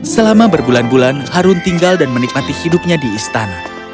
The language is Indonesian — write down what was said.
selama berbulan bulan harun tinggal dan menikmati hidupnya di istana